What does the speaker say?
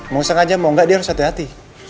mau sengaja mau nggak dia harus hati hati